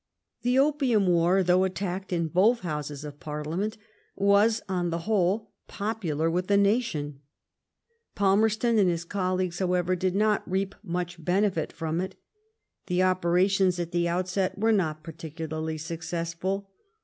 The opium war, though attacked in both Houses of Parliament, was on the whole popular with the nation.. Palmerston and bis colleagues, however, did not reap much benefit from it. The operations at the outset were not pai ticularly successful.